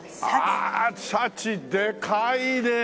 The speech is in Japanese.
ああシャチでかいねえ。